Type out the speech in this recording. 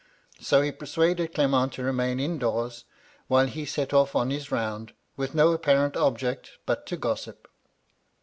So he persuaded Clement to remain in doors, while he set oflF on his round, with no apparent object but to gossip.